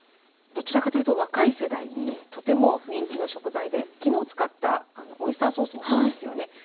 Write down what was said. どちらかというと若い世代にとても人気の食材で昨日使ったオイスターソースもそうですよね。